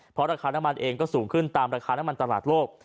เพราะราคาน้ำมันเองก็สูงขึ้นตามราคาน้ำมันตลาดโลก